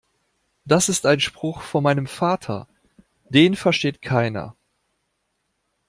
Das ist ein Spruch von meinem Vater. Den versteht keiner.